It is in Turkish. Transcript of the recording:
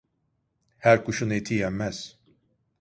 Her kuşun eti yenmez.